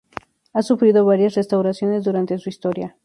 Ha sufrido varias restauraciones durante su historia.